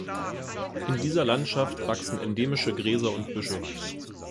In dieser Landschaft wachsen endemische Gräser und Büsche.